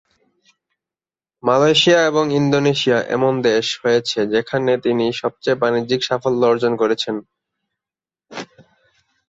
Malaysia এবং Indonesia এমন দেশ হয়েছে যেখানে তিনি সবচেয়ে বাণিজ্যিক সাফল্য অর্জন করেছেন।